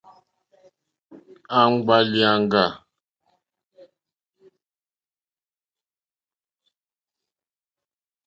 Àŋɡbá lìàŋɡà.